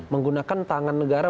menggunakan tangan negara